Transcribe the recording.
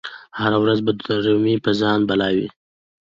هره ورځ به د رمی په ځان بلا وي